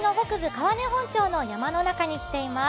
川根本町の山の中に来ています。